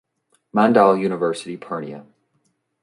Mandal University Purnea.